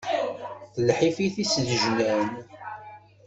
D lḥif i t-isnejlan.